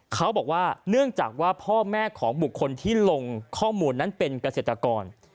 เขาบอกว่าเนื่องจากว่าพ่อแม่ของบุคคลที่ลงข้อมูลนั้นเป็นเกษตรกร